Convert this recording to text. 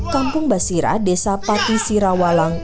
kampung basira desa pati sirawalang